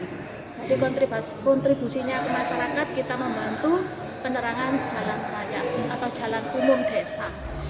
jadi kontribusinya ke masyarakat kita membantu penerangan jalan raya atau jalan umum desa